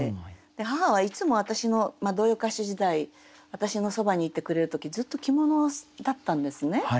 母はいつも私の童謡歌手時代私のそばにいてくれる時ずっと着物だったんですね。